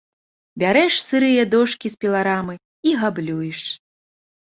Бярэш сырыя дошкі з піларамы і габлюеш.